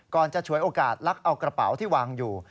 จะฉวยโอกาสลักเอากระเป๋าที่วางอยู่